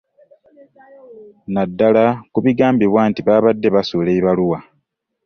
Naddala ku bigambibwa nti baabadde basuula ebibaluwa